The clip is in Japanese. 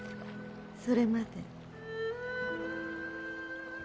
それまで。